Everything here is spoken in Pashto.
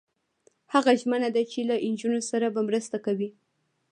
هغه ژمنه ده چې له نجونو سره به مرسته کوي.